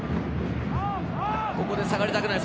ここで下がりたくない。